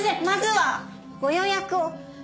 まずはご予約を。